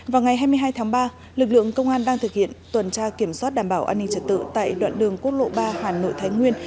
vào ngày hai mươi hai tháng ba lực lượng công an đang thực hiện tuần tra kiểm soát đảm bảo an ninh trật tự tại đoạn đường quốc lộ ba hà nội thái nguyên